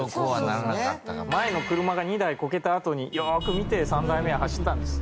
前の車が２台コケたあとによーく見て３台目は走ったんです。